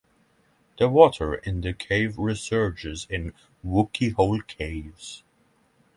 The water in the cave resurges in Wookey Hole Caves.